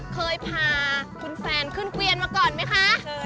เคยพาคุณแฟนขึ้นเกวียนมาก่อนไหมคะ